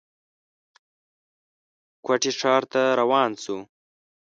کوټې ښار ته روان شو.